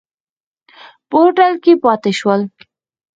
په هوټل کې پاتې شول.